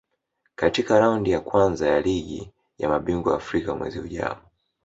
katika Raundi ya Kwanza ya Ligi ya Mabingwa Afrika mwezi ujao